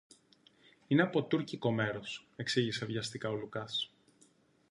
Είναι από τούρκικο μέρος, εξήγησε βιαστικά ο Λουκάς